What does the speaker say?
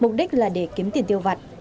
mục đích là để kiếm tiền tiêu vặt